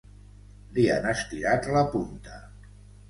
Li han estirat la punta.